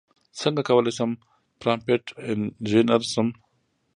څنګه کولی شم پرامپټ انژینر شم